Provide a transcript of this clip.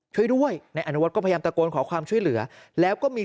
ช่วยด้วยนายอนุวัฒก็พยายามตะโกนขอความช่วยเหลือแล้วก็มี